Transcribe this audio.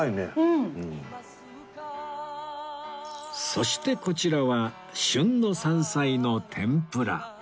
そしてこちらは旬の山菜の天ぷら